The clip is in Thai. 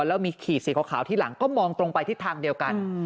แล้วมีขีดสีขาวที่หลังก็มองตรงไปทิศทางเดียวกัน